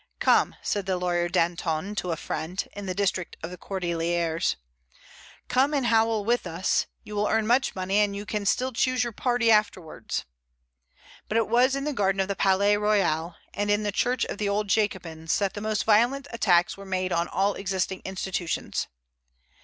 "Come," said the lawyer Danton to a friend, in the district of the Cordéliers, "come and howl with us; you will earn much money, and you can still choose your party afterwards." But it was in the garden of the Palais Royal, and in the old church of the Jacobins that the most violent attacks were made on all existing institutions.